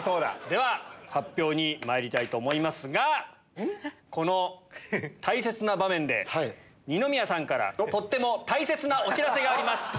では発表にまいりたいと思いますがこの大切な場面で二宮さんからとっても大切なお知らせがあります。